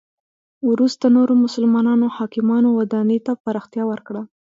وروسته نورو مسلمانو حاکمانو ودانی ته پراختیا ورکړه.